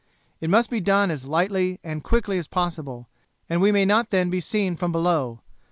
It must be done as lightly and quickly as possible, and we may not then be seen from below.